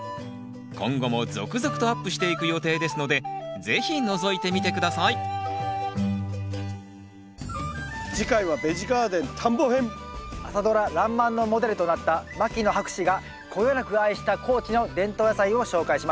今後も続々とアップしていく予定ですので是非のぞいてみて下さい朝ドラ「らんまん」のモデルとなった牧野博士がこよなく愛した高知の伝統野菜を紹介します。